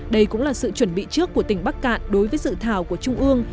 đây cũng là sự chuẩn bị trước của tỉnh bắc cạn đối với dự thảo của trung ương